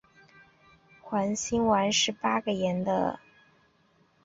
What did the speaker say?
环辛烷是八个碳的环烷烃。